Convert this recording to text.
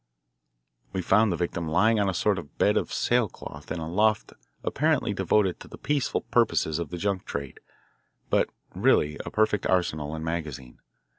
We found the victim lying on a sort of bed of sailcloth in a loft apparently devoted to the peaceful purposes of the junk trade, but really a perfect arsenal and magazine.